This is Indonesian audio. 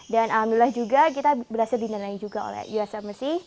dan alhamdulillah juga kita berhasil didanai juga oleh us embassy